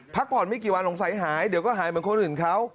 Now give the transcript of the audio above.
พักผ่อนไม่กี่วันสงสัยหายเดี๋ยวก็หายเหมือนคนอื่นเขา